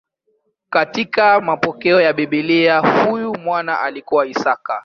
Katika mapokeo ya Biblia huyu mwana alikuwa Isaka.